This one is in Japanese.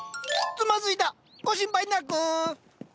つまずいた！ご心配なく。